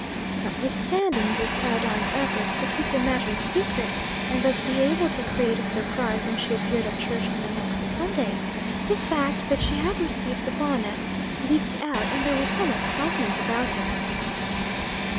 Notwithstanding Mrs. Claudine's efforts to keep the matter a secret, and thus be able to create a surprise when she appeared at church on the next Sunday, the fact that she had received the bonnet leaked out, and there was some excitement about it.